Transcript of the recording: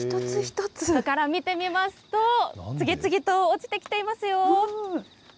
下から見てみますと、次々と落ちてきていますよ。